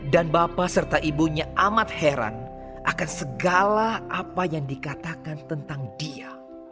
dan bapak serta ibunya amat heran akan segala apa yang dikatakan tentang dia